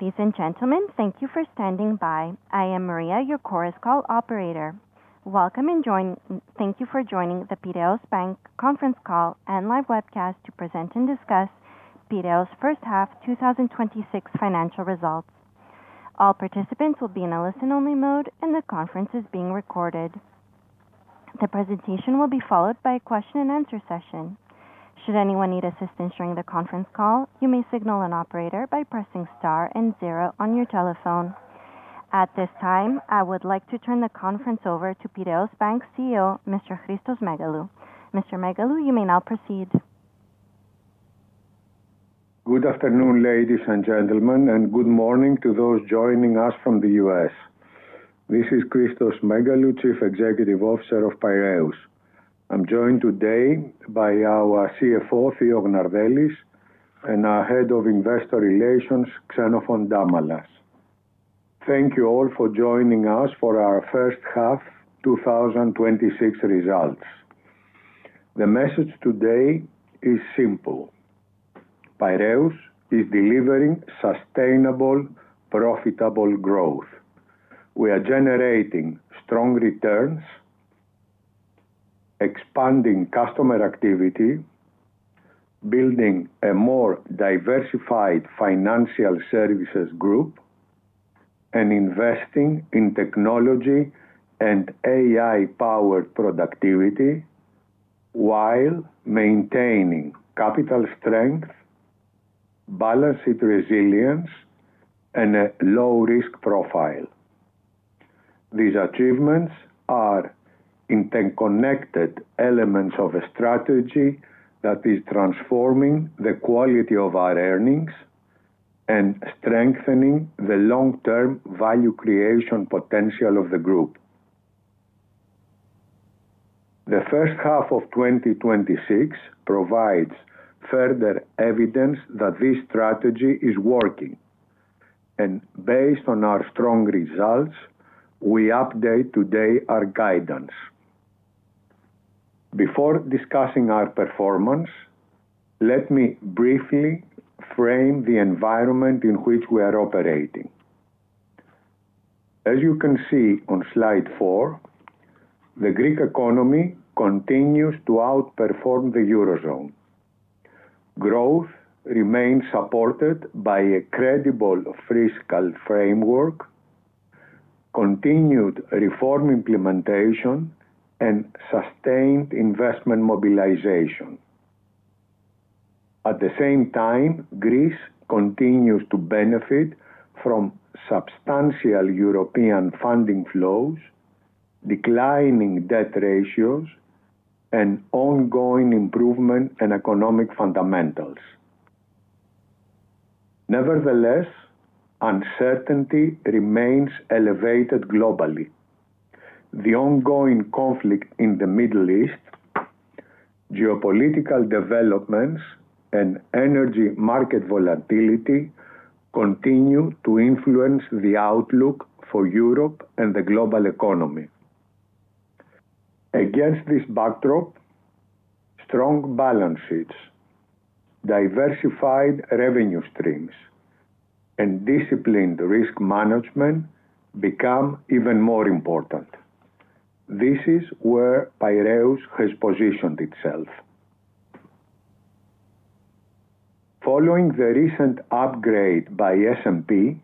Ladies and gentlemen, thank you for standing by. I am Maria, your Chorus Call operator. Welcome, and thank you for joining the Piraeus Bank Conference Call and Live Webcast to present and discuss Piraeus' first half 2026 financial results. All participants will be in a listen-only mode, and the conference is being recorded. The presentation will be followed by a question-and-answer session. Should anyone need assistance during the conference call, you may signal an operator by pressing star and zero on your telephone. At this time, I would like to turn the conference over to Piraeus Bank CEO, Mr. Christos Megalou. Mr. Megalou, you may now proceed. Good afternoon, ladies and gentlemen, and good morning to those joining us from the U.S. This is Christos Megalou, Chief Executive Officer of Piraeus. I am joined today by our CFO, Theo Gnardellis, and our Head of Investor Relations, Xenophon Damalas. Thank you all for joining us for our first half 2026 results. The message today is simple. Piraeus is delivering sustainable, profitable growth. We are generating strong returns, expanding customer activity, building a more diversified financial services group, and investing in technology and AI-powered productivity while maintaining capital strength, balance sheet resilience, and a low risk profile. These achievements are interconnected elements of a strategy that is transforming the quality of our earnings and strengthening the long-term value creation potential of the group. The first half of 2026 provides further evidence that this strategy is working, and based on our strong results, we update today our guidance. Before discussing our performance, let me briefly frame the environment in which we are operating. As you can see on slide four, the Greek economy continues to outperform the Eurozone. Growth remains supported by a credible fiscal framework, continued reform implementation, and sustained investment mobilization. At the same time, Greece continues to benefit from substantial European funding flows, declining debt ratios, and ongoing improvement in economic fundamentals. Nevertheless, uncertainty remains elevated globally. The ongoing conflict in the Middle East, geopolitical developments, and energy market volatility continue to influence the outlook for Europe and the global economy. Against this backdrop, strong balance sheets, diversified revenue streams, and disciplined risk management become even more important. This is where Piraeus has positioned itself. Following the recent upgrade by S&P,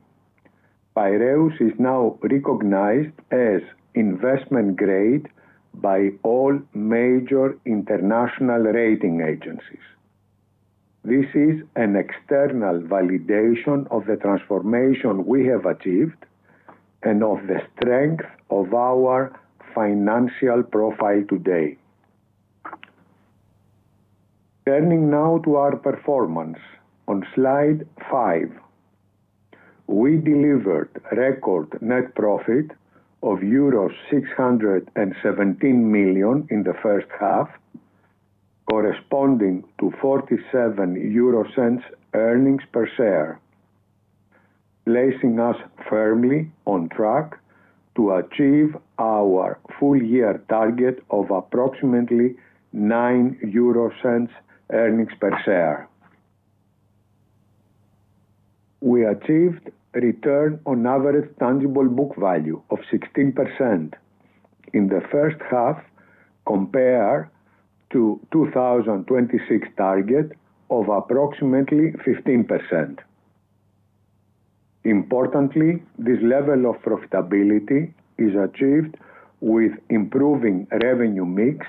Piraeus is now recognized as investment grade by all major international rating agencies. This is an external validation of the transformation we have achieved and of the strength of our financial profile today. Turning now to our performance on slide five. We delivered record net profit of euros 617 million in the first half, corresponding to 0.47 earnings per share, placing us firmly on track to achieve our full year target of approximately 0.90 earnings per share. We achieved a return on average tangible book value of 16% in the first half, compared to 2026 target of approximately 15%. Importantly, this level of profitability is achieved with improving revenue mix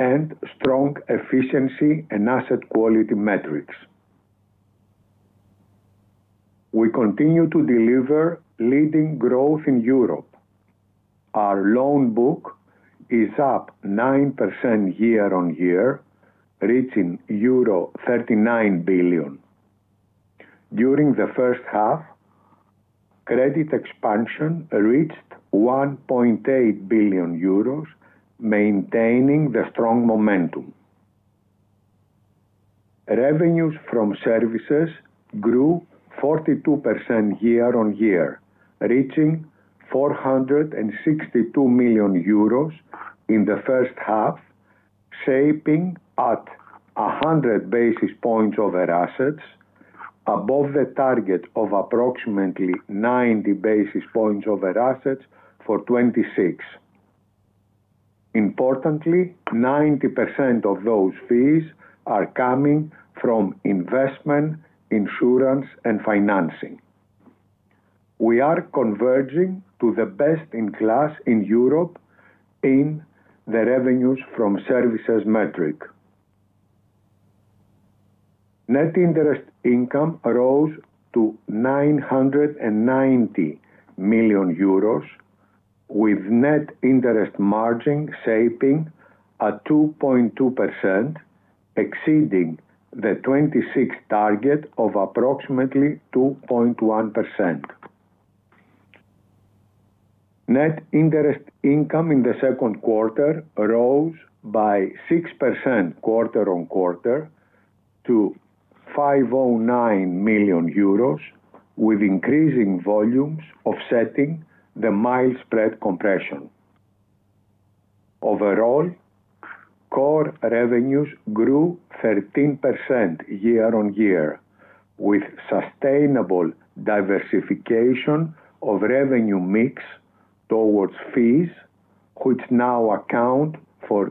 and strong efficiency and asset quality metrics. We continue to deliver leading growth in Europe. Our loan book is up 9% year-over-year, reaching euro 39 billion. During the first half, credit expansion reached 1.8 billion euros, maintaining the strong momentum. Revenues from services grew 42% year-on-year, reaching 462 million euros in the first half. Shaping at 100 basis points over assets, above the target of approximately 90 basis points over assets for 2026. Importantly, 90% of those fees are coming from investment, insurance, and financing. We are converging to the best in class in Europe in the revenues from services metric. Net interest income rose to 990 million euros, with net interest margin shaping at 2.2%, exceeding the 2026 target of approximately 2.1%. Net interest income in the second quarter rose by 6% quarter-on-quarter to 509 million euros, with increasing volumes offsetting the mild spread compression. Overall, core revenues grew 13% year-on-year, with sustainable diversification of revenue mix towards fees, which now account for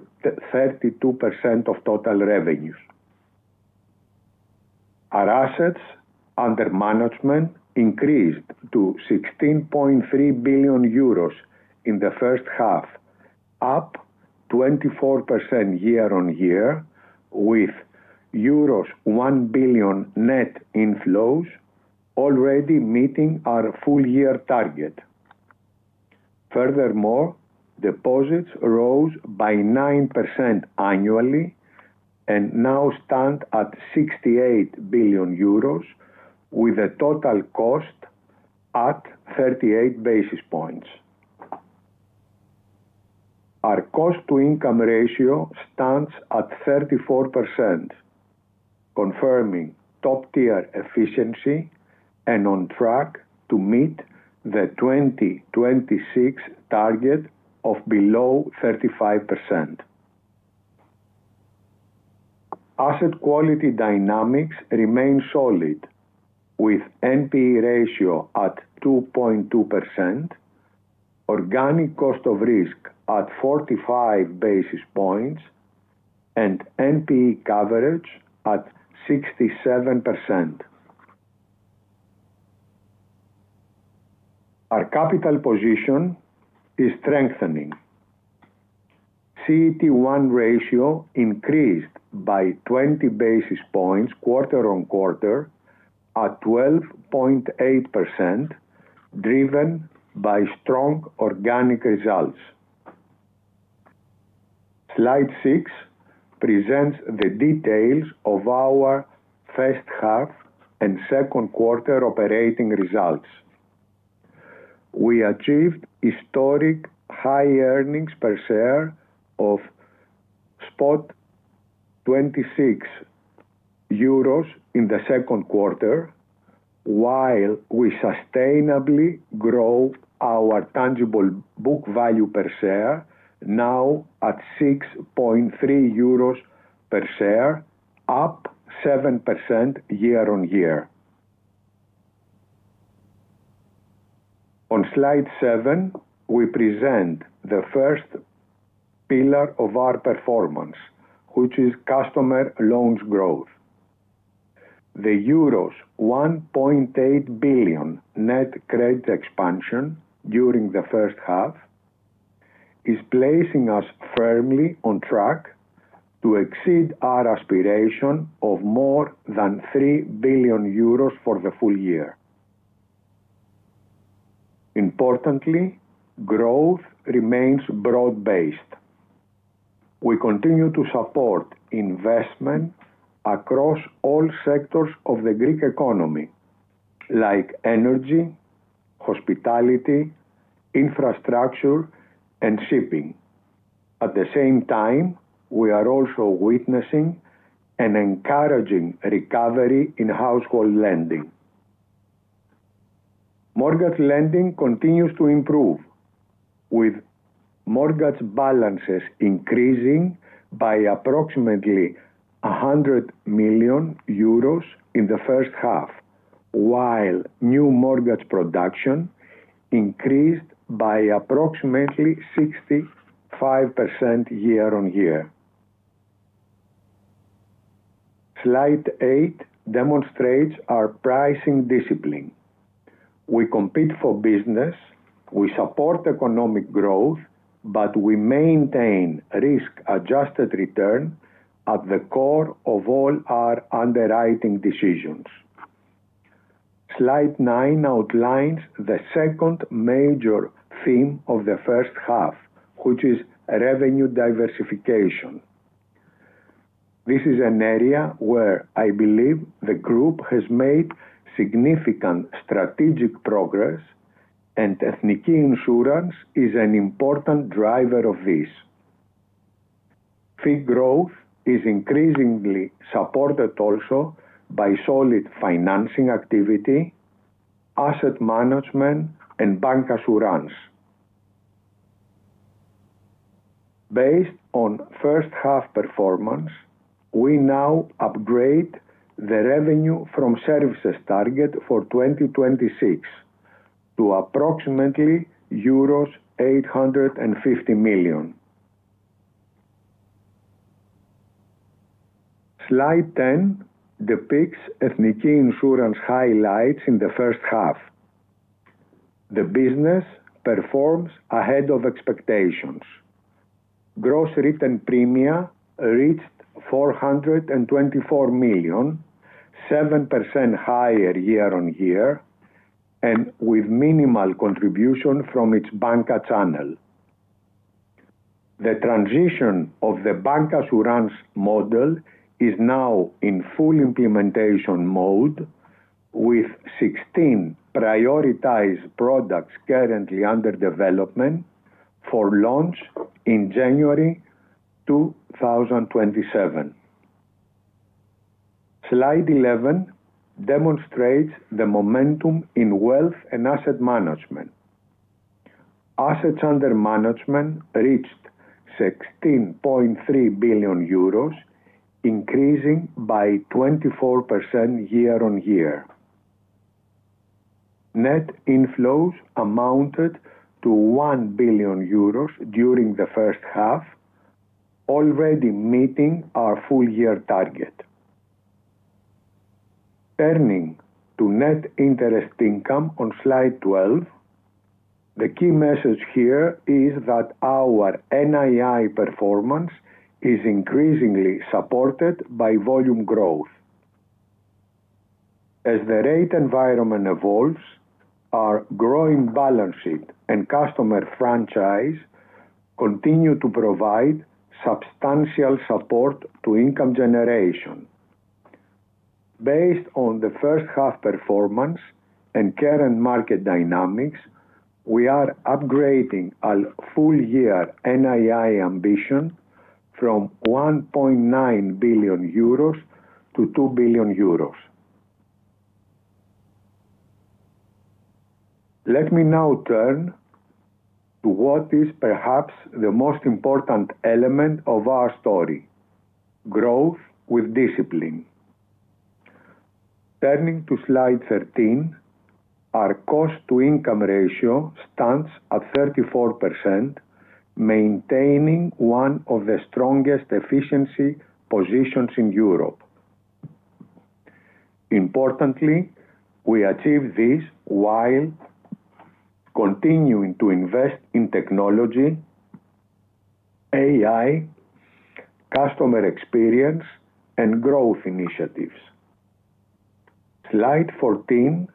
32% of total revenues. Our assets under management increased to 16.3 billion euros in the first half, up 24% year-on-year, with euros 1 billion net inflows, already meeting our full year target. Furthermore, deposits rose by 9% annually and now stand at 68 billion euros with a total cost at 38 basis points. Our cost-to-income ratio stands at 34%, confirming top-tier efficiency and on track to meet the 2026 target of below 35%. Asset quality dynamics remain solid with NPE ratio at 2.2%, organic cost of risk at 45 basis points, and NPE coverage at 67%. Our capital position is strengthening. CET1 ratio increased by 20 basis points quarter-on-quarter at 12.8%, driven by strong organic results. Slide six presents the details of our first half and second quarter operating results. We achieved historic high earnings per share of 0.26 euros in the second quarter, while we sustainably grow our tangible book value per share, now at 6.3 euros per share, up 7% year-on-year. On slide seven, we present the first pillar of our performance, which is customer loans growth. The 1.8 billion net credits expansion during the first half is placing us firmly on track to exceed our aspiration of more than 3 billion euros for the full year. Importantly, growth remains broad-based. We continue to support investment across all sectors of the Greek economy, like energy, hospitality, infrastructure, and shipping. At the same time, we are also witnessing an encouraging recovery in household lending. Mortgage lending continues to improve, with mortgage balances increasing by approximately 100 million euros in the first half, while new mortgage production increased by approximately 65% year-on-year. Slide eight demonstrates our pricing discipline. We compete for business, we support economic growth, but we maintain risk-adjusted return at the core of all our underwriting decisions. Slide nine outlines the second major theme of the first half, which is revenue diversification. This is an area where I believe the group has made significant strategic progress, and Ethniki Insurance is an important driver of this. Fee growth is increasingly supported also by solid financing activity, asset management, and bancassurance. Based on first half performance, we now upgrade the revenue from services target for 2026 to approximately EUR 850 million. Slide 10 depicts Ethniki Insurance highlights in the first half. The business performs ahead of expectations. Gross written premia reached 424 million, 7% higher year-on-year, and with minimal contribution from its banca channel. The transition of the bancassurance model is now in full implementation mode, with 16 prioritized products currently under development for launch in January 2027. Slide 11 demonstrates the momentum in wealth and asset management. Assets under management reached 16.3 billion euros, increasing by 24% year-on-year. Net inflows amounted to 1 billion euros during the first half, already meeting our full year target. Turning to net interest income on slide 12, the key message here is that our NII performance is increasingly supported by volume growth. As the rate environment evolves, our growing balance sheet and customer franchise continue to provide substantial support to income generation. Based on the first half performance and current market dynamics, we are upgrading our full year NII ambition from 1.9 billion euros to 2 billion euros. Let me now turn to what is perhaps the most important element of our story, growth with discipline. Turning to slide 13, our cost-to-income ratio stands at 34%, maintaining one of the strongest efficiency positions in Europe. Importantly, we achieve this while continuing to invest in technology, AI, customer experience, and growth initiatives. Slide 14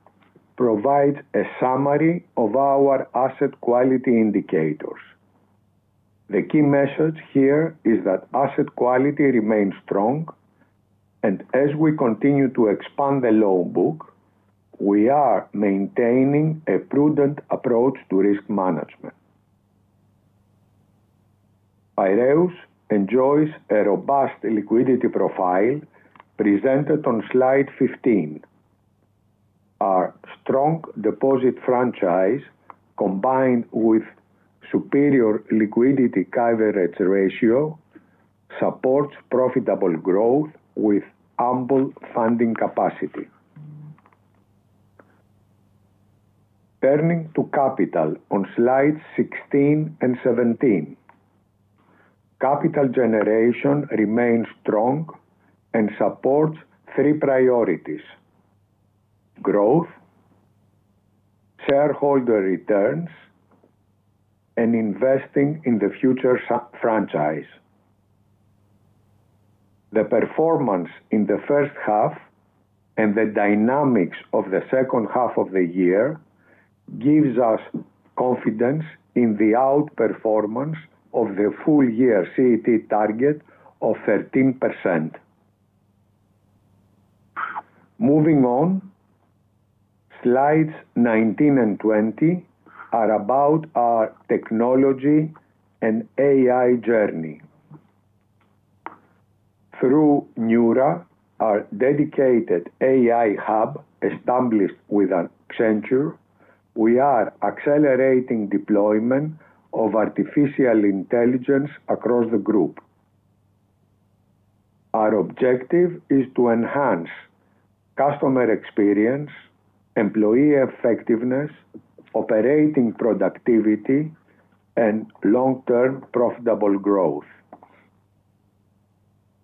provides a summary of our asset quality indicators. The key message here is that asset quality remains strong, and as we continue to expand the loan book, we are maintaining a prudent approach to risk management. Piraeus enjoys a robust liquidity profile presented on slide 15. Our strong deposit franchise, combined with superior liquidity coverage ratio, supports profitable growth with ample funding capacity. Turning to capital on slides 16 and 17. Capital generation remains strong and supports three priorities, growth, shareholder returns, and investing in the future franchise. The performance in the first half and the dynamics of the second half of the year gives us confidence in the outperformance of the full year CET target of 13%. Moving on, slides 19 and 20 are about our technology and AI journey. Through Newra, our dedicated AI hub established with Accenture, we are accelerating deployment of artificial intelligence across the group. Our objective is to enhance customer experience, employee effectiveness, operating productivity, and long-term profitable growth.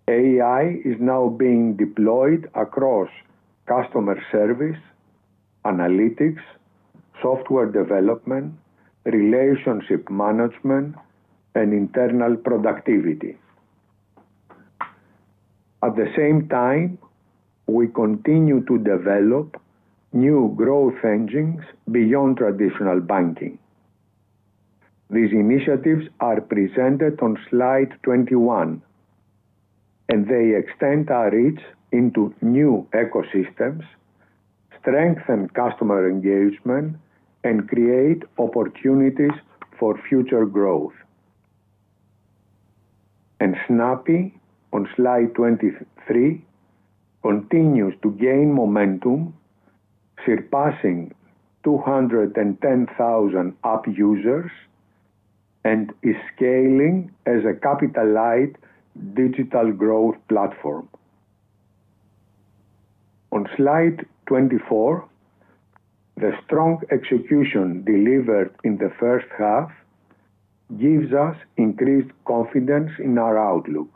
AI is now being deployed across customer service, analytics, software development, relationship management, and internal productivity. At the same time, we continue to develop new growth engines beyond traditional banking. These initiatives are presented on slide 21. They extend our reach into new ecosystems, strengthen customer engagement, and create opportunities for future growth. Snappy, on slide 23, continues to gain momentum, surpassing 210,000 app users and is scaling as a capital light digital growth platform. On slide 24, the strong execution delivered in the first half gives us increased confidence in our outlook.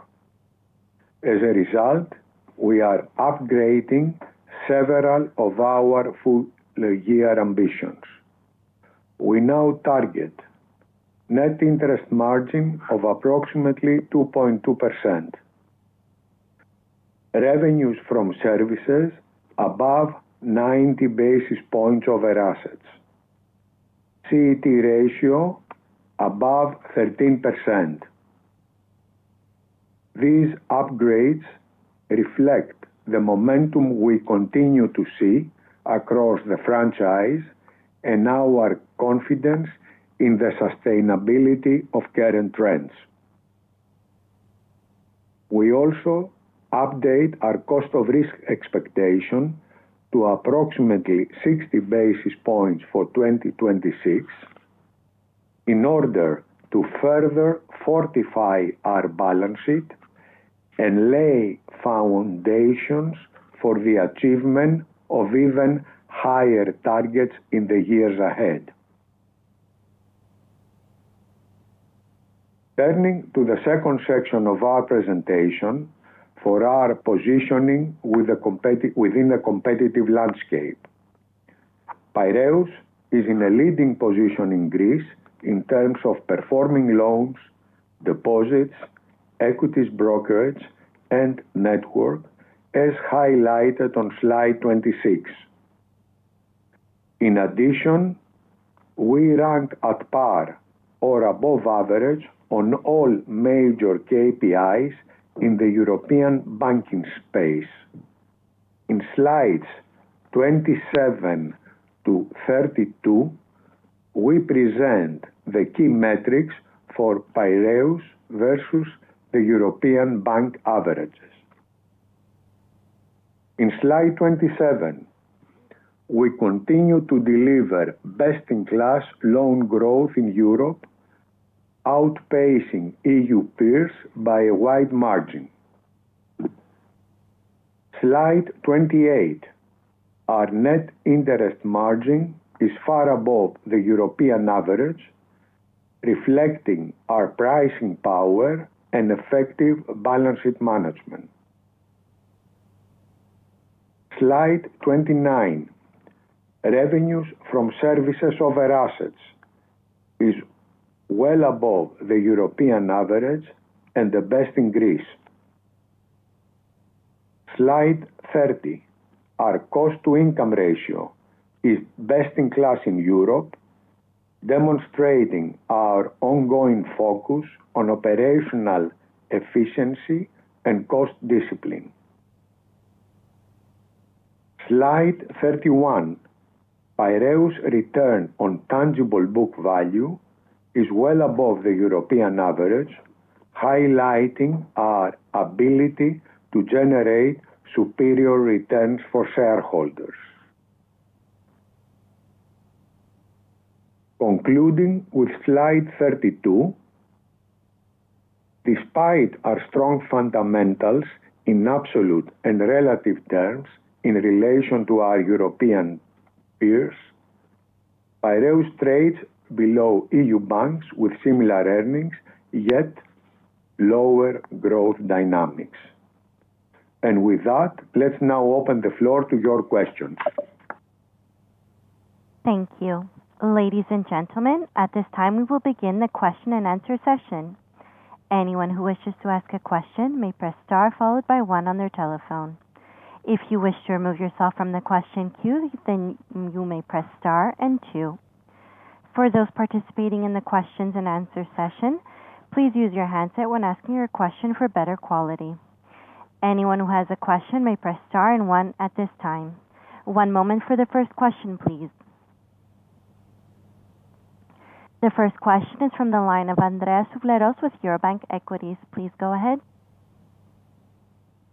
As a result, we are upgrading several of our full year ambitions. We now target net interest margin of approximately 2.2%. Revenues from services above 90 basis points over assets. CET ratio above 13%. These upgrades reflect the momentum we continue to see across the franchise and our confidence in the sustainability of current trends. We also update our cost of risk expectation to approximately 60 basis points for 2026 in order to further fortify our balance sheet and lay foundations for the achievement of even higher targets in the years ahead. Turning to the second section of our presentation for our positioning within the competitive landscape. Piraeus is in a leading position in Greece in terms of performing loans, deposits, equities brokerage and network, as highlighted on slide 26. In addition, we ranked at par or above average on all major KPIs in the European banking space. In slides 27 to 32, we present the key metrics for Piraeus versus the European bank averages. In slide 27, we continue to deliver best in class loan growth in Europe, outpacing EU peers by a wide margin. Slide 28. Our net interest margin is far above the European average, reflecting our pricing power and effective balance sheet management. Slide 29. Revenues from services over assets is well above the European average and the best in Greece. Slide 30. Our cost-to-income ratio is best in class in Europe, demonstrating our ongoing focus on operational efficiency and cost discipline. Slide 31. Piraeus return on tangible book value is well above the European average, highlighting our ability to generate superior returns for shareholders. Concluding with slide 32. Despite our strong fundamentals in absolute and relative terms in relation to our European peers, Piraeus trades below EU banks with similar earnings, yet lower growth dynamics. With that, let's now open the floor to your questions. Thank you. Ladies and gentlemen, at this time, we will begin the question-and-answer session. Anyone who wishes to ask a question may press star followed by one on their telephone. If you wish to remove yourself from the question queue, you may press star and two. For those participating in the questions and answer session, please use your handset when asking your question for better quality. Anyone who has a question may press star and one at this time. One moment for the first question, please. The first question is from the line of Andreas Vlachos with Eurobank Equities. Please go ahead.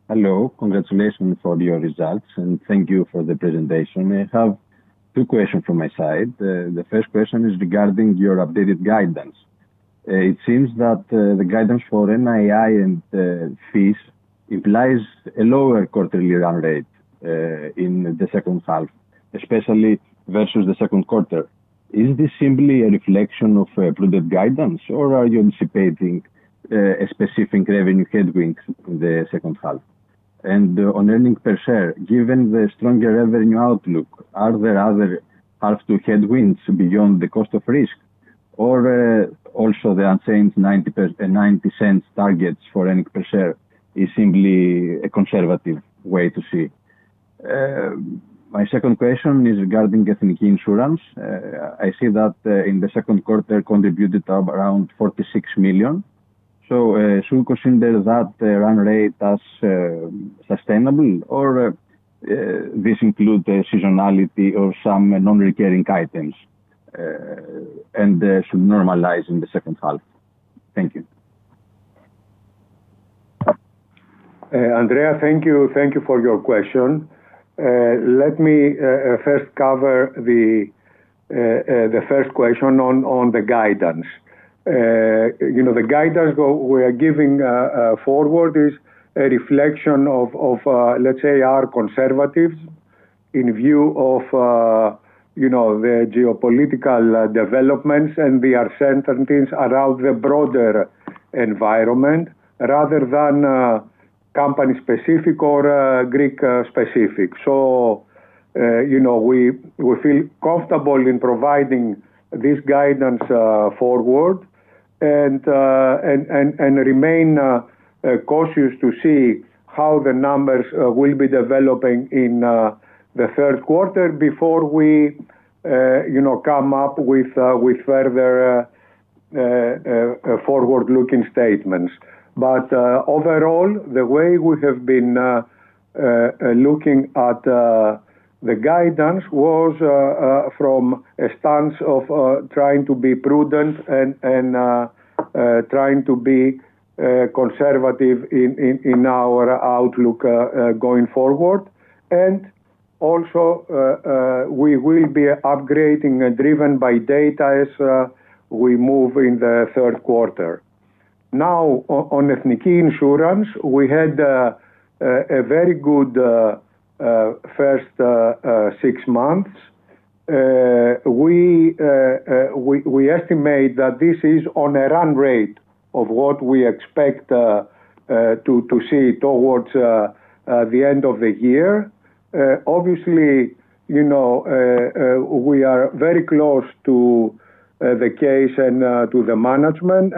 Hello. Congratulations on your results, thank you for the presentation. I have two questions from my side. The first question is regarding your updated guidance. It seems that the guidance for NII and fees implies a lower quarterly run rate, in the second half, especially versus the second quarter. Is this simply a reflection of prudent guidance or are you anticipating a specific revenue headwind in the second half? On earnings per share, given the stronger revenue outlook, are there other half to headwinds beyond the cost of risk? Also the unchanged 0.90 targets for earnings per share is simply a conservative way to see? My second question is regarding Ethniki Insurance. I see that in the second quarter contributed around 46 million. Should we consider that run rate as sustainable or this include seasonality or some non-recurring items, should normalize in the second half? Thank you. Andreas, thank you for your question. Let me first cover the first question on the guidance. The guidance we are giving forward is a reflection of, let's say, our conservatism in view of the geopolitical developments and the uncertainties around the broader environment rather than company specific or Greek specific. We feel comfortable in providing this guidance forward, and remain cautious to see how the numbers will be developing in the third quarter before we come up with further forward-looking statements. Overall, the way we have been looking at the guidance was from a stance of trying to be prudent and trying to be conservative in our outlook going forward. Also, we will be upgrading driven by data as we move in the third quarter. On Ethniki Insurance, we had a very good first six months. We estimate that this is on a run rate of what we expect to see towards the end of the year. Obviously, we are very close to the case and to the management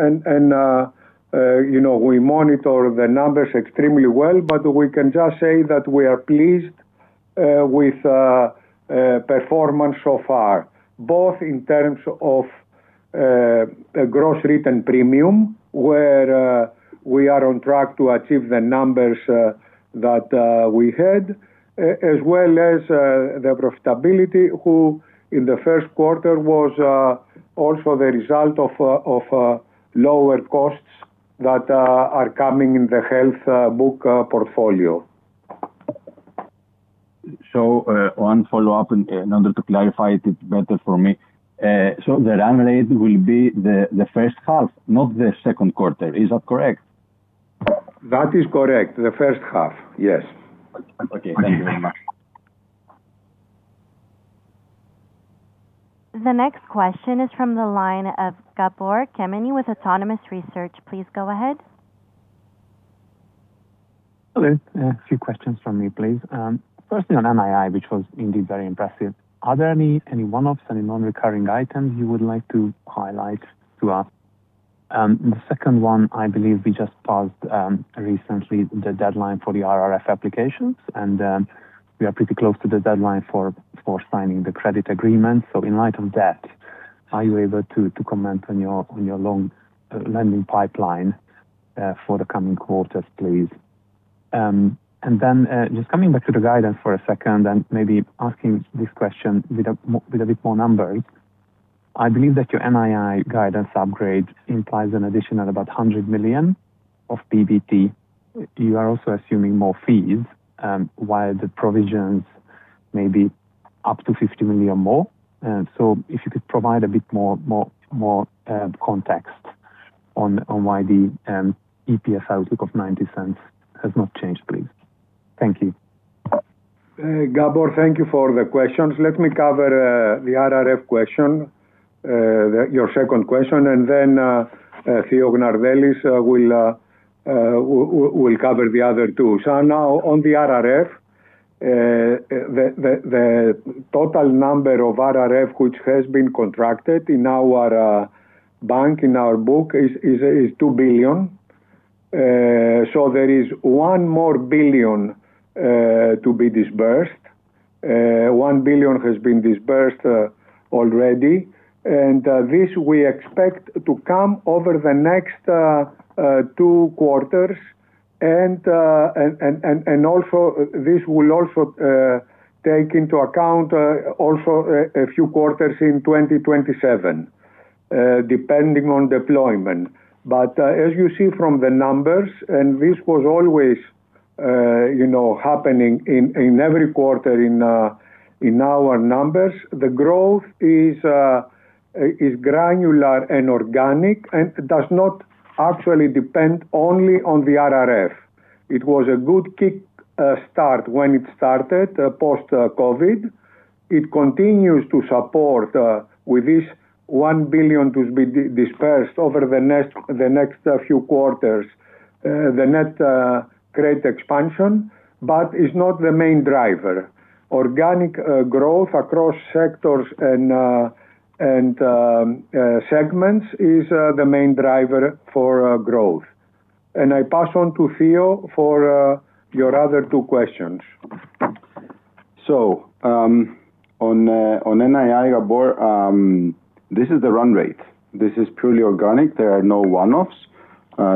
and we monitor the numbers extremely well. We can just say that we are pleased with performance so far, both in terms of gross written premium, where we are on track to achieve the numbers that we had, as well as the profitability, which in the first quarter was also the result of lower costs that are coming in the health book portfolio. One follow-up in order to clarify it better for me. The run rate will be the first half, not the second quarter. Is that correct? That is correct. The first half, yes. Okay. Thank you very much. The next question is from the line of Gabor Kemeny with Autonomous Research. Please go ahead. Hello. A few questions from me, please. Firstly on NII, which was indeed very impressive. Are there any one-offs, any non-recurring items you would like to highlight to us? The second one, I believe we just passed recently the deadline for the RRF applications, and we are pretty close to the deadline for signing the credit agreement. In light of that, are you able to comment on your loan lending pipeline for the coming quarters, please? Just coming back to the guidance for a second and maybe asking this question with a bit more numbers. I believe that your NII guidance upgrade implies an additional about 100 million of PBT. You are also assuming more fees, while the provisions may be up to 50 million more. If you could provide a bit more context on why the EPS outlook of 0.90 has not changed, please. Thank you. Gabor, thank you for the questions. Let me cover the RRF question, your second question, then Theo Gnardellis will cover the other two. Now on the RRF, the total number of RRF which has been contracted in our bank, in our book is 2 billion. There is 1 billion more to be disbursed. 1 billion has been disbursed already. This we expect to come over the next two quarters, and this will also take into account a few quarters in 2027, depending on deployment. As you see from the numbers, and this was always happening in every quarter in our numbers, the growth is granular and organic and does not actually depend only on the RRF. It was a good kick start when it started post-COVID. It continues to support with this 1 billion to be disbursed over the next few quarters, the net credit expansion, but is not the main driver. Organic growth across sectors and segments is the main driver for growth. I pass on to Theo for your other two questions. On NII, Gabor, this is the run rate. This is purely organic. There are no one-offs.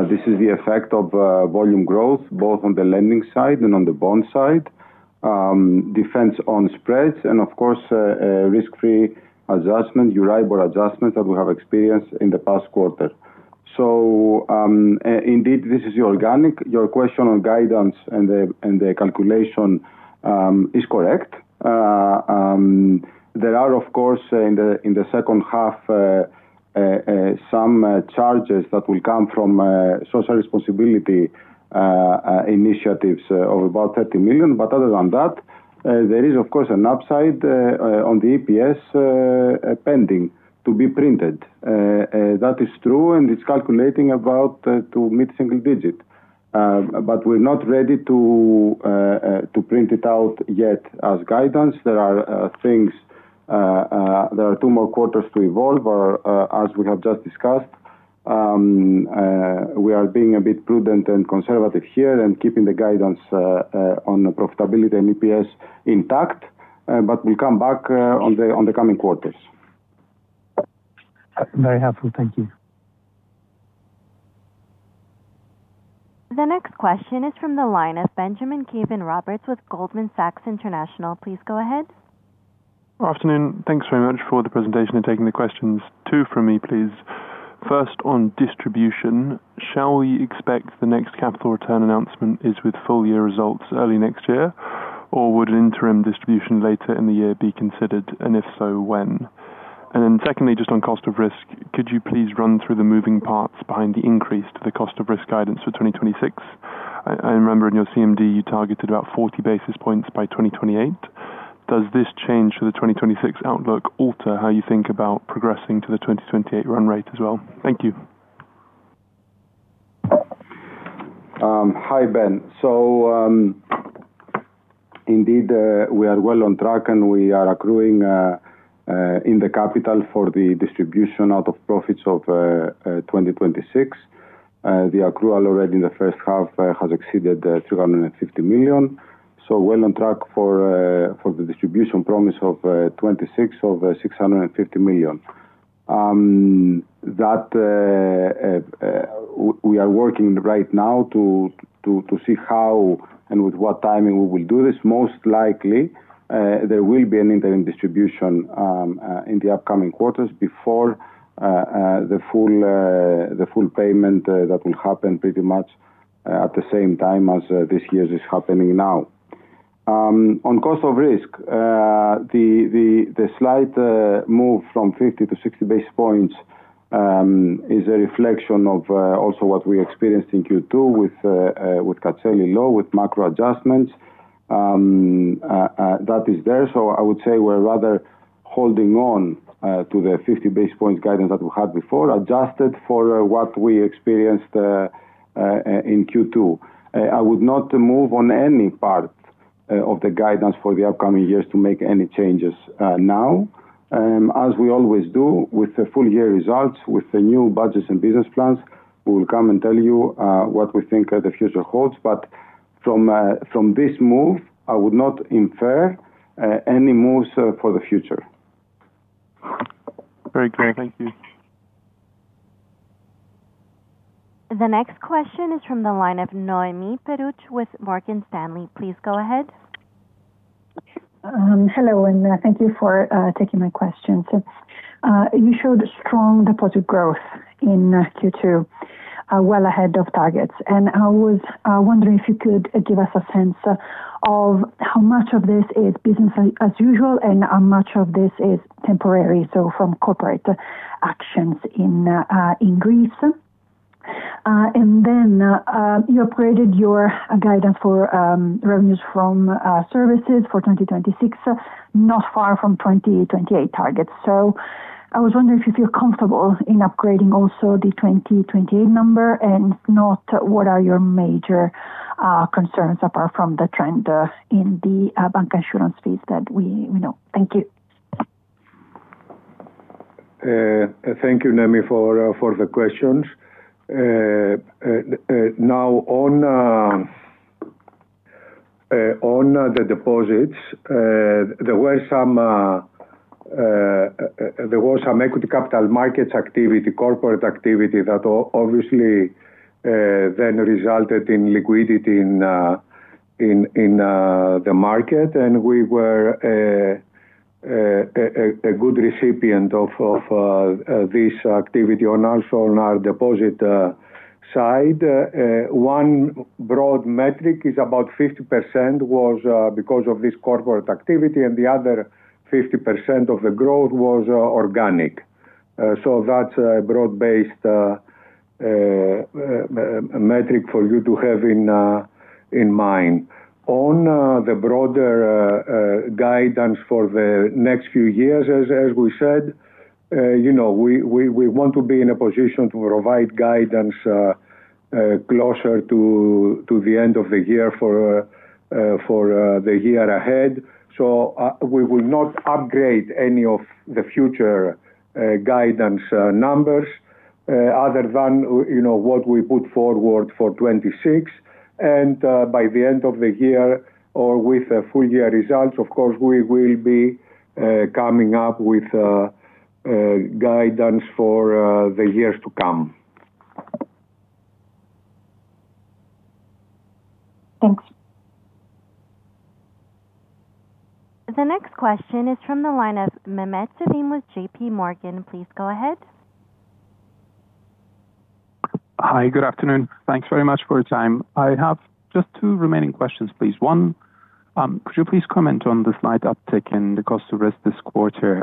This is the effect of volume growth, both on the lending side and on the bond side. Defense on spreads, and of course, risk-free adjustment, EURIBOR adjustment that we have experienced in the past quarter. Indeed, this is organic. Your question on guidance and the calculation is correct. There are, of course, in the second half, some charges that will come from social responsibility initiatives of about 30 million. Other than that, there is, of course, an upside on the EPS pending to be printed. That is true, and it's calculating about to mid-single digit. We're not ready to print it out yet as guidance. There are two more quarters to evolve or as we have just discussed. We are being a bit prudent and conservative here and keeping the guidance on the profitability and EPS intact. We'll come back on the coming quarters. Very helpful. Thank you. The next question is from the line of Benjamin Caven-Roberts with Goldman Sachs International. Please go ahead. Afternoon. Thanks very much for the presentation and taking the questions. Two from me, please. First, on distribution, shall we expect the next capital return announcement is with full-year results early next year? Would an interim distribution later in the year be considered, and if so, when? Secondly, just on cost of risk, could you please run through the moving parts behind the increase to the cost of risk guidance for 2026? I remember in your CMD, you targeted about 40 basis points by 2028. Does this change to the 2026 outlook alter how you think about progressing to the 2028 run rate as well? Thank you. Hi, Ben. Indeed, we are well on track, and we are accruing in the capital for the distribution out of profits of 2026. The accrual already in the first half has exceeded 350 million. Well on track for the distribution promise of 2026 of 650 million. We are working right now to see how and with what timing we will do this. Most likely, there will be an interim distribution in the upcoming quarters before the full payment that will happen pretty much at the same time as this year's is happening now. On cost of risk, the slight move from 50 basis points to 60 basis points is a reflection of also what we experienced in Q2 with 50 low with macro adjustments. That is there. I would say we're rather holding on to the 50 basis points guidance that we had before, adjusted for what we experienced in Q2. I would not move on any part of the guidance for the upcoming years to make any changes now. As we always do with the full-year results, with the new budgets and business plans, we will come and tell you what we think the future holds. From this move, I would not infer any moves for the future. Very clear. Thank you. The next question is from the line of Noemi Peruch with Morgan Stanley. Please go ahead. Hello, thank you for taking my questions. You showed strong deposit growth in Q2, well ahead of targets. I was wondering if you could give us a sense of how much of this is business as usual and how much of this is temporary, from corporate actions in Greece? Then you upgraded your guidance for revenues from services for 2026, not far from 2028 targets. I was wondering if you feel comfortable in upgrading also the 2028 number and not what are your major concerns apart from the trend in the bancassurance fees that we know? Thank you. Thank you, Noemi, for the questions. On the deposits, there was some equity capital markets activity, corporate activity that obviously then resulted in liquidity in the market, and we were a good recipient of this activity, and also on our deposit side. One broad metric is about 50% was because of this corporate activity, and the other 50% of the growth was organic. That's a broad-based metric for you to have in mind. On the broader guidance for the next few years, as we said, we want to be in a position to provide guidance closer to the end of the year for the year ahead. We will not upgrade any of the future guidance numbers other than what we put forward for 2026. By the end of the year or with the full year results, of course, we will be coming up with guidance for the years to come. Thanks. The next question is from the line of Mehmet Sevim with JPMorgan. Please go ahead. Hi. Good afternoon. Thanks very much for your time. I have just two remaining questions, please. One, could you please comment on the slight uptick in the cost of risk this quarter,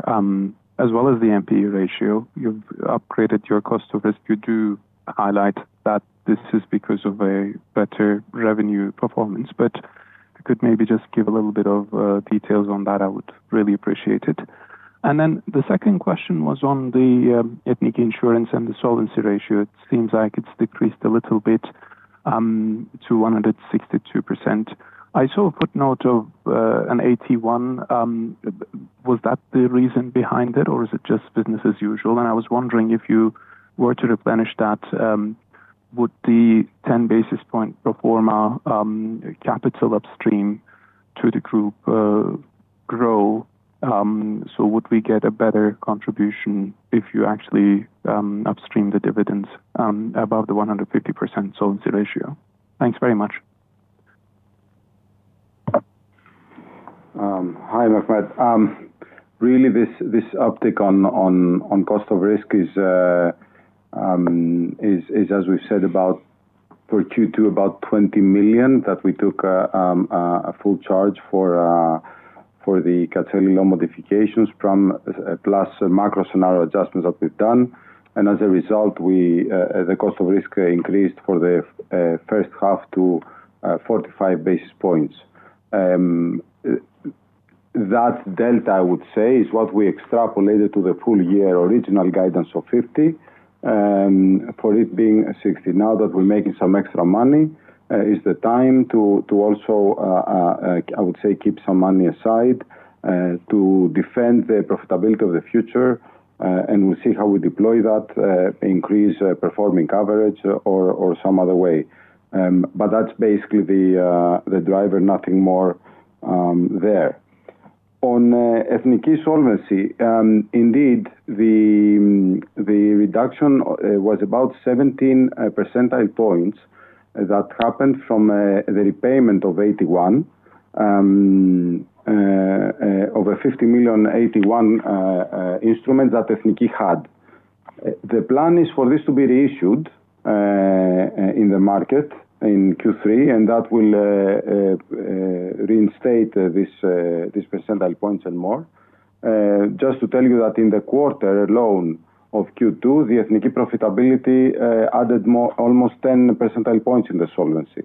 as well as the NPE ratio? You've upgraded your cost of risk. You do highlight that this is because of a better revenue performance, but if you could maybe just give a little bit of details on that, I would really appreciate it. The second question was on the Ethniki Insurance and the solvency ratio. It seems like it's decreased a little bit, to 162%. I saw a footnote of an AT1. Was that the reason behind it, or is it just business as usual? I was wondering if you were to replenish that, would the 10 basis point pro forma capital upstream to the group grow? Would we get a better contribution if you actually upstream the dividends above the 150% solvency ratio? Thanks very much. Hi, Mehmet. Really, this uptick on cost of risk is as we've said, for Q2, about 20 million, that we took a full charge for the Katseli loan modifications plus macro scenario adjustments that we've done. As a result, the cost of risk increased for the first half to 45 basis points. That delta, I would say, is what we extrapolated to the full year original guidance of 50 basis points, for it being 60 basis points. Now that we're making some extra money, is the time to also, I would say, keep some money aside to defend the profitability of the future, and we'll see how we deploy that increase performing coverage or some other way. That's basically the driver, nothing more there. On Ethniki solvency, indeed, the reduction was about 17 percentile points that happened from the repayment of AT1, over 50 million AT1 instrument that Ethniki had. The plan is for this to be reissued in the market in Q3, and that will reinstate these percentile points and more. Just to tell you that in the quarter alone of Q2, the Ethniki profitability added almost 10 percentile points in the solvency.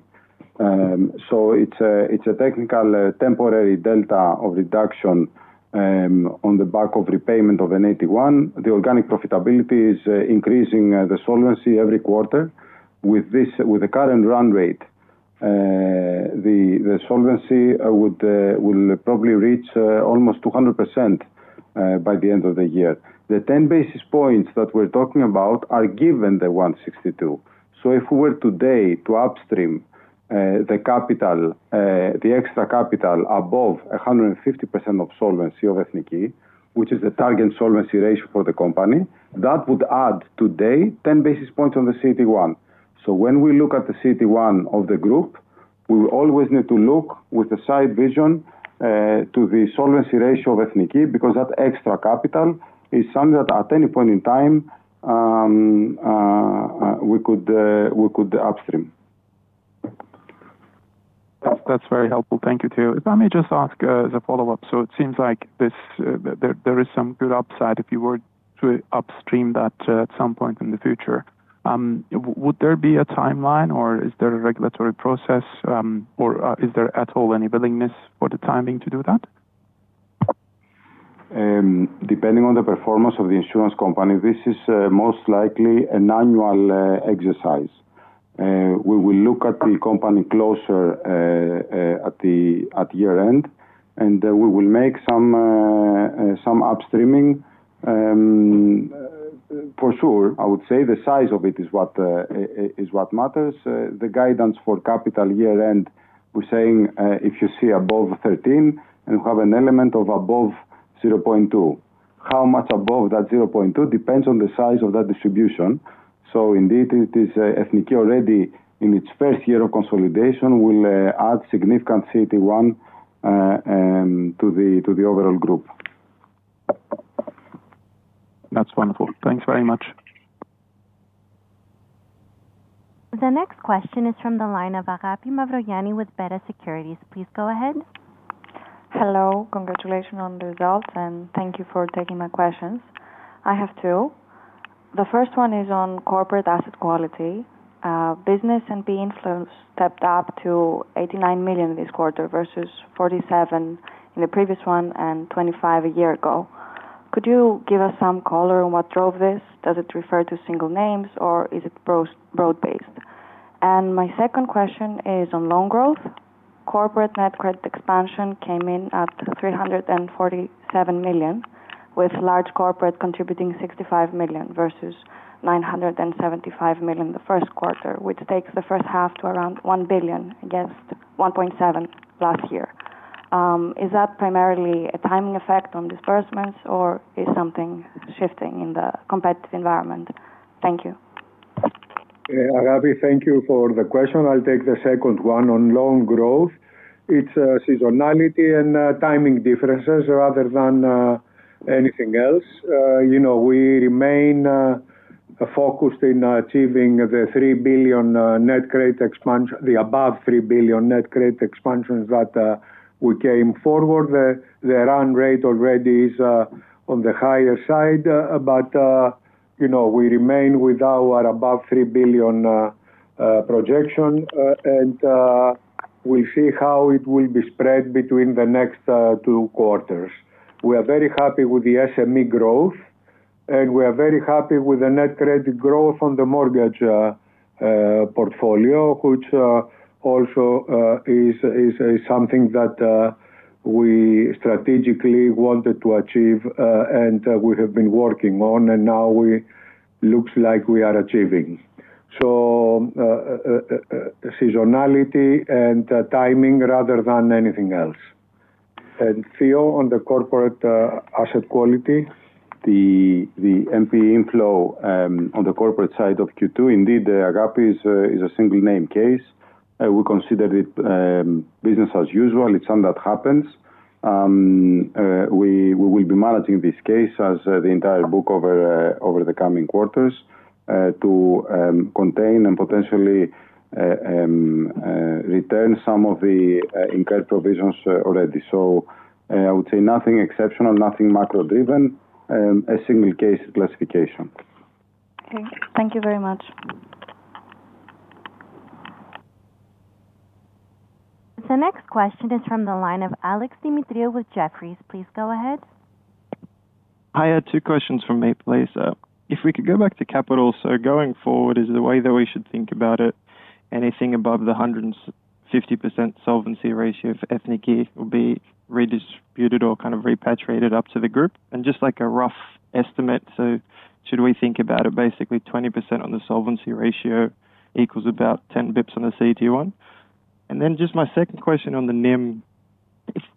It's a technical temporary delta of reduction on the back of repayment of an AT1. The organic profitability is increasing the solvency every quarter. With the current run rate, the solvency will probably reach almost 200% by the end of the year. The 10 basis points that we're talking about are given the 162%. If we were today to upstream the extra capital above 150% of solvency of Ethniki, which is the target solvency ratio for the company, that would add today 10 basis points on the CET1. When we look at the CET1 of the group, we will always need to look with a side vision to the solvency ratio of Ethniki, because that extra capital is something that at any point in time, we could upstream. That's very helpful. Thank you, too. If I may just ask as a follow-up, it seems like there is some good upside if you were to upstream that at some point in the future. Would there be a timeline, or is there a regulatory process, or is there at all any willingness for the timing to do that? Depending on the performance of the insurance company, this is most likely an annual exercise. We will look at the company closer at year-end, and we will make some upstreaming for sure. I would say the size of it is what matters. The guidance for capital year-end, we're saying if you see above 13, and you have an element of above 0.2. How much above that 0.2 depends on the size of that distribution. Indeed, Ethniki already in its first year of consolidation will add significant CET1 to the overall group. That's wonderful. Thanks very much. The next question is from the line of Agapi Mavrogianni with Beta Securities. Please go ahead. Hello. Congratulations on the results, thank you for taking my questions. I have two. The first one is on corporate asset quality. Business NPE inflow stepped up to 89 million this quarter versus 47 million in the previous one and 25 million a year ago. Could you give us some color on what drove this? Does it refer to single names, or is it broad-based? My second question is on loan growth. Corporate net credit expansion came in at 347 million, with large corporate contributing 65 million versus 975 million the first quarter, which takes the first half to around 1 billion against 1.7 billion last year. Is that primarily a timing effect on disbursements, or is something shifting in the competitive environment? Thank you. Agapi, thank you for the question. I'll take the second one on loan growth. It's seasonality and timing differences rather than anything else. We remain focused on achieving the above 3 billion net credit expansions that we came forward. The run rate already is on the higher side. We remain with our above 3 billion projection, and we'll see how it will be spread between the next two quarters. We are very happy with the SME growth. We are very happy with the net credit growth on the mortgage portfolio, which also is something that we strategically wanted to achieve and we have been working on, and now looks like we are achieving. Seasonality and timing rather than anything else. Theo, on the corporate asset quality. The NPE inflow on the corporate side of Q2, indeed, Agapi, is a single name case. We consider it business as usual. It's something that happens. We will be managing this case as the entire book over the coming quarters to contain and potentially return some of the incurred provisions already. I would say nothing exceptional, nothing macro driven, a single case classification. Okay. Thank you very much. The next question is from the line of Alex Demetriou with Jefferies. Please go ahead. I had two questions for me, please. If we could go back to capital, going forward, is the way that we should think about it anything above the 150% solvency ratio for Ethniki will be redistributed or kind of repatriated up to the group? Just like a rough estimate, should we think about it basically 20% on the solvency ratio equals about 10 basis points on the CET1? Just my second question on the NIM.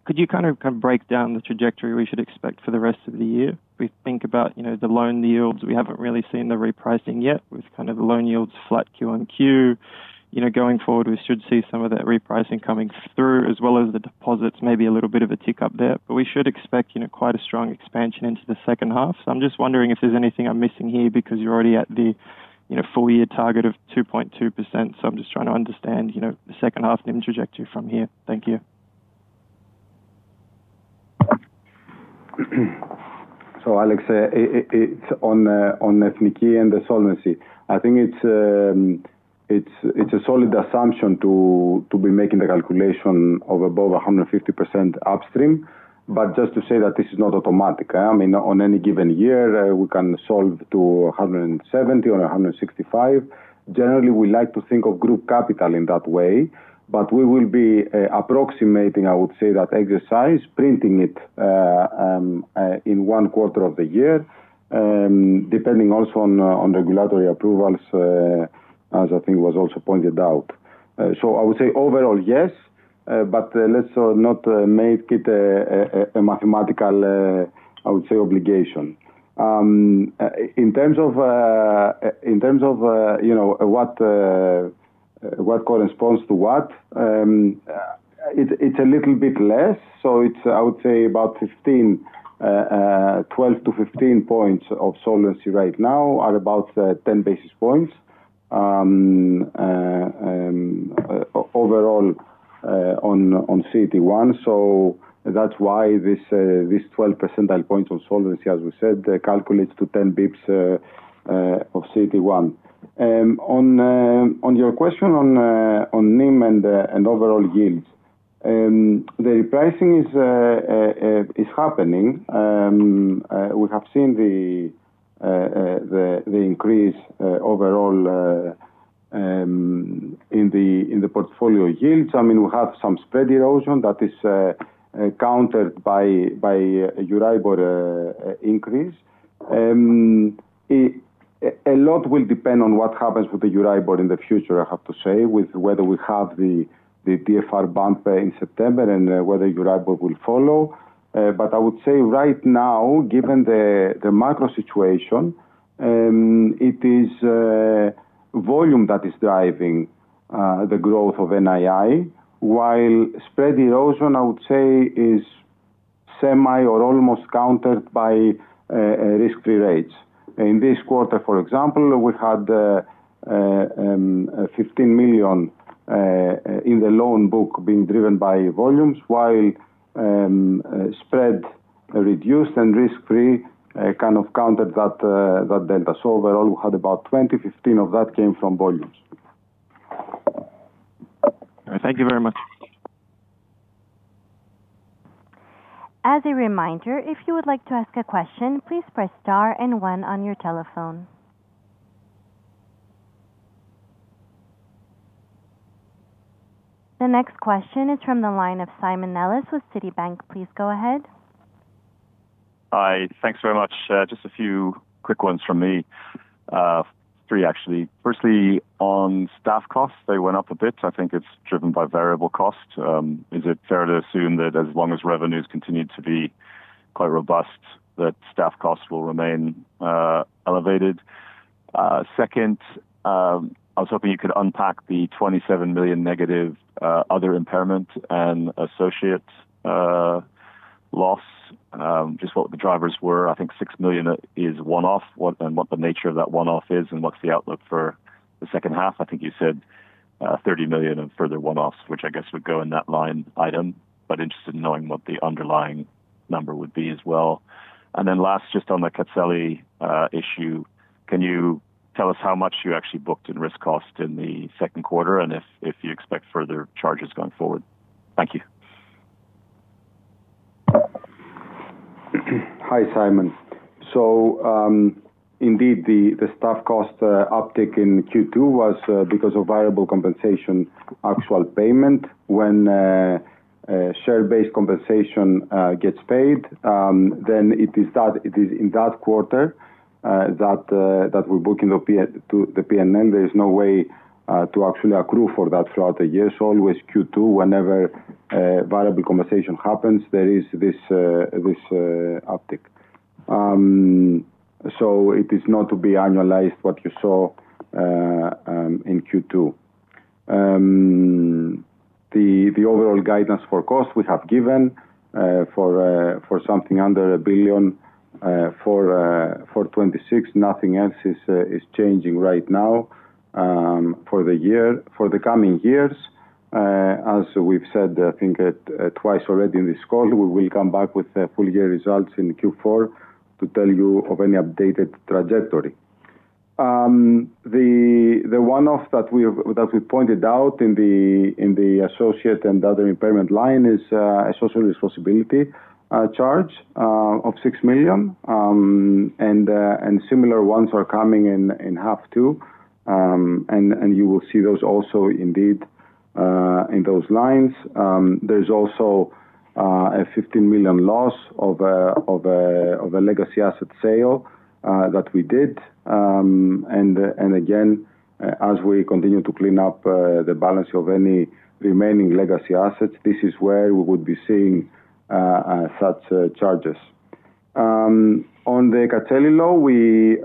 Could you break down the trajectory we should expect for the rest of the year? We think about the loan yields, we haven't really seen the repricing yet with loan yields flat quarter-on-quarter. We should see some of that repricing coming through as well as the deposits, maybe a little bit of a tick up there. We should expect quite a strong expansion into the second half. I'm just wondering if there's anything I'm missing here because you're already at the full year target of 2.2%. I'm just trying to understand the second half NIM trajectory from here. Thank you. Alex, on Ethniki and the solvency. I think it's a solid assumption to be making the calculation of above 150% upstream. Just to say that this is not automatic. On any given year, we can solve to 170% or 165%. Generally, we like to think of group capital in that way, but we will be approximating, I would say that exercise, printing it in one quarter of the year, depending also on regulatory approvals, as I think was also pointed out. I would say overall, yes, but let's not make it a mathematical, I would say, obligation. In terms of what corresponds to what, it's a little bit less. I would say about 12-15 points of solvency right now are about 10 basis points overall on CET1. That's why this 12 percentage points of solvency, as we said, calculates to 10 basis points of CET1. On your question on NIM and overall yields. The repricing is happening. We have seen the increase overall in the portfolio yields. We have some spread erosion that is countered by EURIBOR increase. A lot will depend on what happens with the EURIBOR in the future, I have to say, with whether we have the DFR bump in September and whether EURIBOR will follow. I would say right now, given the macro situation, it is volume that is driving the growth of NII, while spread erosion, I would say, is semi or almost countered by risk-free rates. In this quarter, for example, we had 15 million in the loan book being driven by volumes, while spread reduced and risk-free kind of countered that delta. Overall, we had about 20 million, 15 million of that came from volumes. All right. Thank you very much. The next question is from the line of Simon Nellis with Citibank. Please go ahead. Hi. Thanks very much. Just a few quick ones from me. Three, actually. Firstly, on staff costs, they went up a bit. I think it's driven by variable costs. Is it fair to assume that as long as revenues continue to be quite robust, that staff costs will remain elevated? Second, I was hoping you could unpack the 27 million negative other impairment and associate loss, just what the drivers were. I think 6 million is one-off, and what the nature of that one-off is, and what's the outlook for the second half? I think you said 30 million of further one-offs, which I guess would go in that line item, but interested in knowing what the underlying number would be as well. Last, just on the Katseli issue, can you tell us how much you actually booked in cost of risk in the second quarter, and if you expect further charges going forward? Thank you. Hi, Simon. Indeed, the staff cost uptick in Q2 was because of variable compensation actual payment. When share-based compensation gets paid, then it is in that quarter that we book in the P&L. There is no way to actually accrue for that throughout the year. Always Q2, whenever variable compensation happens, there is this uptick. It is not to be annualized, what you saw in Q2. The overall guidance for costs we have given for something under 1 billion for 2026. Nothing else is changing right now for the coming years. As we've said, I think twice already in this call, we will come back with the full year results in Q4 to tell you of any updated trajectory. The one-off that we pointed out in the associate and other impairment line is a social responsibility charge of 6 million, and similar ones are coming in half two. And you will see those also indeed in those lines. There's also a 15 million loss of a legacy asset sale that we did. Again, as we continue to clean up the balance of any remaining legacy assets, this is where we would be seeing such charges. On the Katseli law, in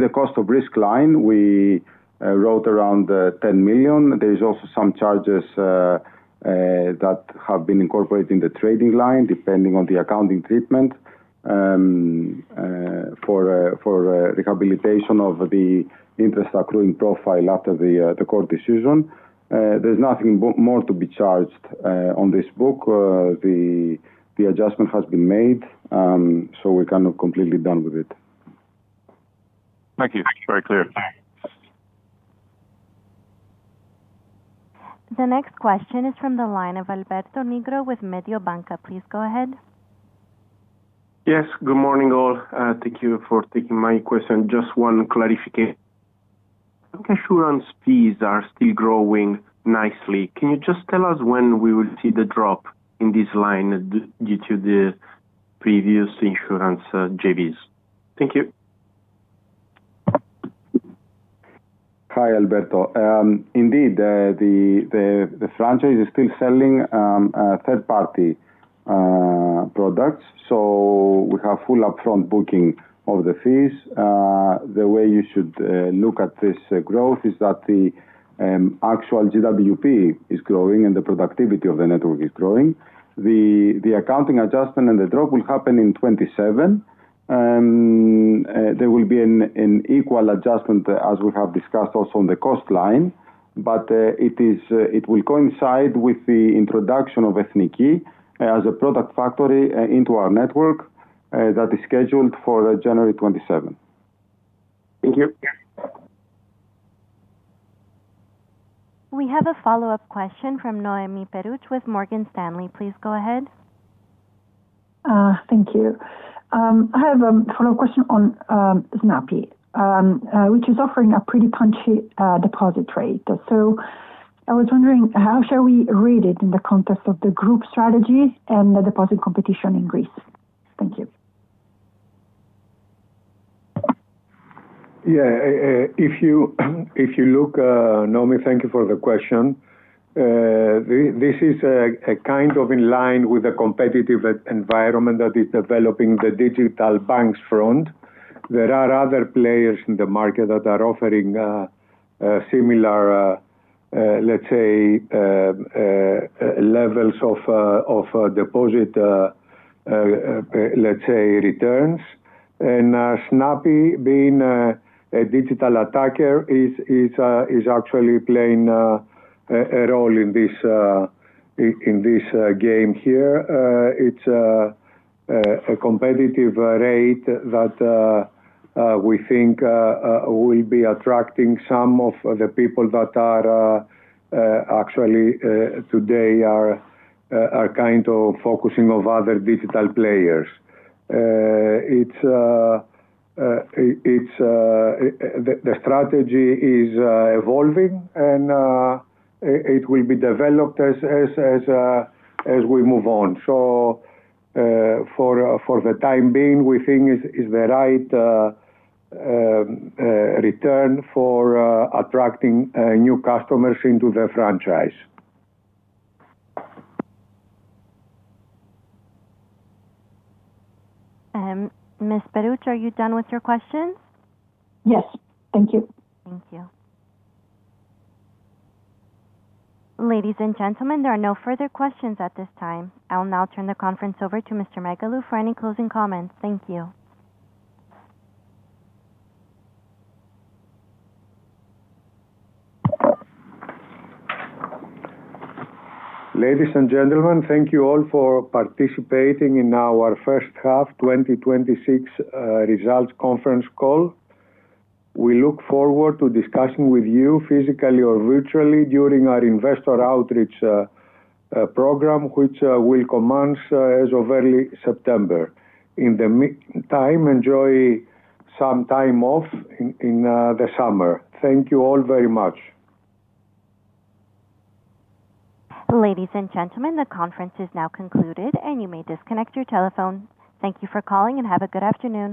the cost of risk line, we wrote around 10 million. There's also some charges that have been incorporated in the trading line, depending on the accounting treatment, for rehabilitation of the interest accruing profile after the court decision. There's nothing more to be charged on this book. The adjustment has been made, so we're kind of completely done with it. Thank you. It's very clear. The next question is from the line of Alberto Nigro with Mediobanca. Please go ahead. Yes, good morning, all. Thank you for taking my question. Just one clarification. Insurance fees are still growing nicely. Can you just tell us when we will see the drop in this line due to the previous insurance JVs? Thank you. Hi, Alberto. Indeed, the franchise is still selling third-party products. We have full upfront booking of the fees. The way you should look at this growth is that the actual GWP is growing and the productivity of the network is growing. The accounting adjustment and the drop will happen in 2027. There will be an equal adjustment, as we have discussed also on the cost line. It will coincide with the introduction of Ethniki as a product factory into our network that is scheduled for January 2027. Thank you. We have a follow-up question from Noemi Peruch with Morgan Stanley. Please go ahead. Thank you. I have a follow-up question on Snappi, which is offering a pretty punchy deposit rate. I was wondering how shall we read it in the context of the group strategy and the deposit competition in Greece? Thank you. Yeah. Noemi, thank you for the question. This is kind of in line with the competitive environment that is developing the digital banks front. There are other players in the market that are offering similar, let's say, levels of deposit, let's say, returns. Snappi, being a digital attacker, is actually playing a role in this game here. It's a competitive rate that we think will be attracting some of the people that are actually, today, are kind of focusing on other digital players. The strategy is evolving, and it will be developed as we move on. For the time being, we think it's the right return for attracting new customers into the franchise. Ms. Peruch, are you done with your questions? Yes. Thank you. Thank you. Ladies and gentlemen, there are no further questions at this time. I will now turn the conference over to Mr. Megalou for any closing comments. Thank you. Ladies and gentlemen, thank you all for participating in our first half 2026 results conference call. We look forward to discussing with you physically or virtually during our investor outreach program, which will commence as of early September. In the meantime, enjoy some time off in the summer. Thank you all very much. Ladies and gentlemen, the conference is now concluded and you may disconnect your telephone. Thank you for calling and have a good afternoon.